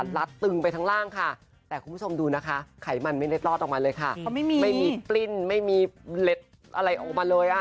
เพราะไม่มีไม่มีปลิ้นไม่มีเล็ดอะไรออกมาเลย